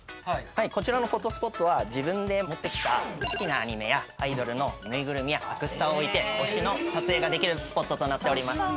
こちらのフォトスポットは自分で持ってきた好きなアニメやアイドルの縫いぐるみやアクスタを置いて推しの撮影ができるスポットとなっております。